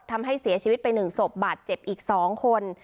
ทำให้เสียชีวิตไปหนึ่งศพบาดเจ็บอีกสองคน